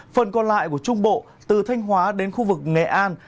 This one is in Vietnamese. phần còn lại của trung bộ từ thanh hóa đến khu vực nghệ an